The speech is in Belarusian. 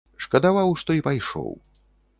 Шкадаваў, што і пайшоў.